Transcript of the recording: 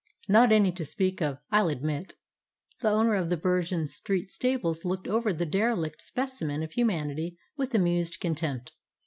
"Not any to speak of, I 'll admit." The owner of the Bergen Street Stables looked over the derelict specimen of humanity with amused contempt.